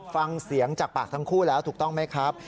ฟังเสียงจากปากทั้งคู่แล้วถูกต้องไหมครับ